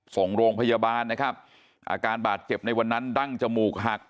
ส่งโรงพยาบาลนะครับอาการบาดเจ็บในวันนั้นดั้งจมูกหัก